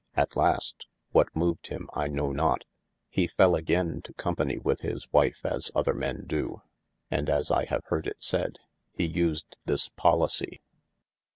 At last (what moved him I know not) he fell agayn to company with his wife as other men do, and (as I have heard it sayed) he used this pollicy.